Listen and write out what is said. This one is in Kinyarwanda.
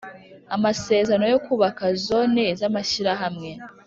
amasezerano yo kubaka Zone zamashyirahamwe